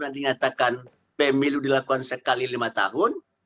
dinyatakan pemilu dilakukan sekali lima tahun